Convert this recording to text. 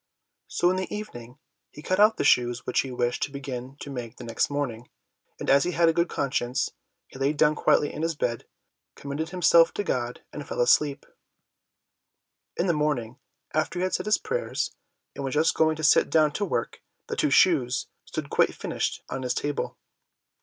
So in the evening, he cut out the shoes which he wished to begin to make the next morning, and as he had a good conscience, he lay down quietly in his bed, commended himself to God, and fell asleep. In the morning, after he had said his prayers, and was just going to sit down to work, the two shoes stood quite finished on his table.